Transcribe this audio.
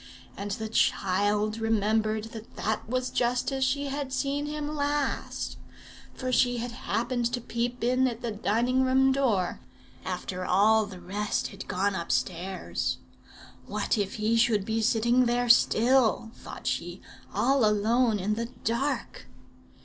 And the child remembered that that was just as she had seen him last; for she had happened to peep in at the dining room door after all the rest had gone upstairs. 'What if he should be sitting there still,' thought she, 'all alone in the dark!'